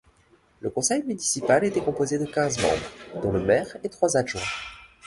Le conseil municipal était composé de quinze membres, dont le maire et trois adjoints.